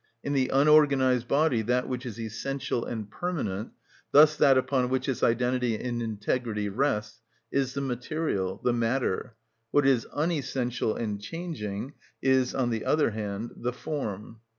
In the unorganised body that which is essential and permanent, thus that upon which its identity and integrity rests, is the material, the matter; what is unessential and changing is, on the other hand, the form.